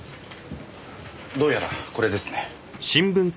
どうやらこれですね。